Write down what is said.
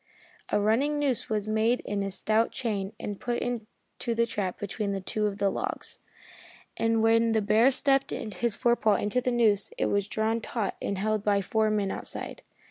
A running noose was made in a stout chain and put into the trap between two of the logs, and when the bear stepped his forepaw into the noose it was drawn taut and held by four men outside.